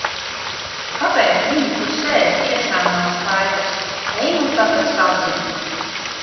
Kāpēc viņi tur sēž, tiešām nav skaidrs. Ej nu tagad sazini.